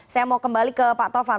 saya mau kembali ke pak tovan